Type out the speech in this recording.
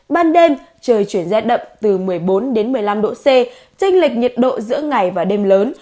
ban đêm trời chuyển dết đậm từ một mươi bốn một mươi năm độ c trích lệch nhiệt độ giữa ngày và đêm lớn